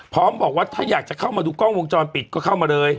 บอกว่าถ้าอยากจะเข้ามาดูกล้องวงจรปิดก็เข้ามาเลย